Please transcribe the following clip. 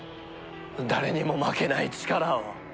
誰にも負けない力を。